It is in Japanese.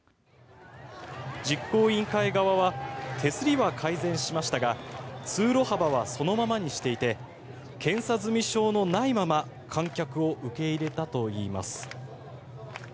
実行委員会側は手すりは改善しましたが通路幅はそのままにしていて検査済証のないまま観客を受け入れたといいます。